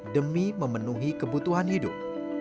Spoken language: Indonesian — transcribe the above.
demi memenuhi kebutuhan hidup